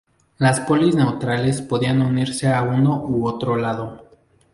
Las polis neutrales podían unirse a uno u otro lado.